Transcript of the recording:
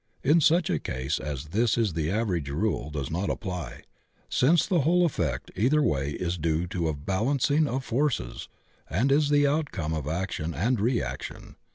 In such a case as this the average rule does not apply, since the whole effect either way is due to a balancing of forces and is the outcome of action and reaction.